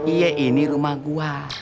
iya ini rumah gue